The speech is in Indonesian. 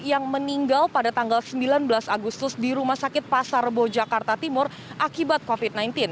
yang meninggal pada tanggal sembilan belas agustus di rumah sakit pasar rebo jakarta timur akibat covid sembilan belas